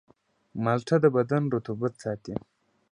مالټه د بدن رطوبت ساتي.